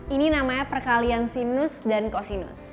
ini namanya perkalian sinus dan cosinus